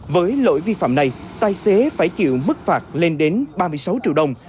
với lỗi vi phạm này tài xế phải chịu mức phạt lên đến ba mươi sáu triệu đồng